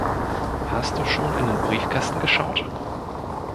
Hast du schon in den Briefkasten geschaut?